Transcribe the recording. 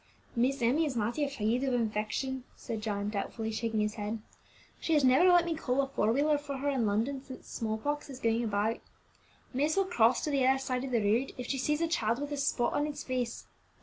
"Miss Emmie is mighty afraid of infection," said John, doubtfully shaking his head. "She has never let me call a four wheeler for her in London since small pox has been going about. Miss will cross to the other side of the road if she sees a child with a spot on its face.